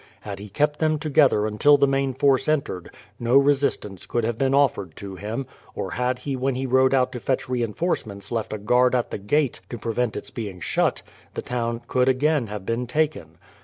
Had he kept them together until the main force entered, no resistance could have been offered to him, or had he when he rode out to fetch reinforcements left a guard at the gate to prevent its being shut, the town could again have been taken.